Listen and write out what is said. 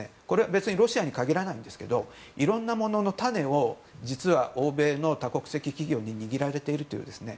これはロシアに限らないですけどいろんなものの種を実は欧米の多国籍企業に握られているという。